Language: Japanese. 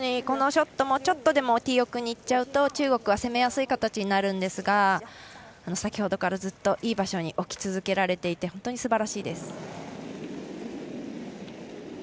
このショットでもちょっとでもティー奥に行くと中国が攻めやすい形になりますが先ほどからずっといい場所に置き続けられていて本当にすばらしいです。